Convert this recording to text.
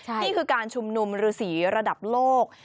นี่คือการชุมนุมฤษีระดับโลก